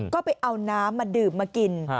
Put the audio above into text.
ก็ไปเอาน้ำมาดื่มมากิน